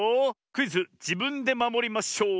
クイズ「じぶんでまもりまショウ」